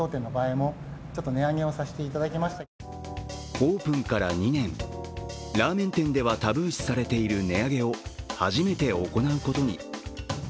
オープンから２年、ラーメン店ではタブー視されている値上げを初めて行うことに。